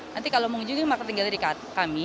nanti kalau mau ujungi market tinggal dari kami